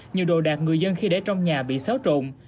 nhiều đồ đạc người dân khi để trong nhà bị xáo trộn